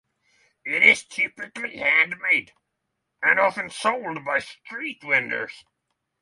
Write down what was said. It is typically hand-made, and often sold by street vendors.